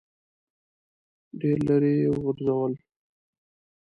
ډېر لیرې یې وغورځول.